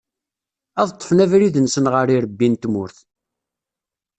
Ad d-ṭṭfen abrid-nsen ɣer yirebbi n tmurt.